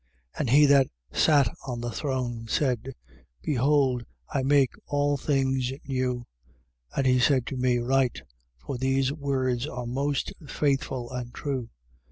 21:5. And he that sat on the throne, said: Behold, I make all things new. And he said to me: Write. For these words are most faithful and true.